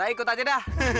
saya ikut aja dah